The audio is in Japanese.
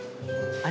あれ？